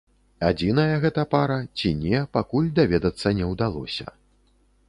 Адзіная гэта пара ці не, пакуль даведацца не ўдалося.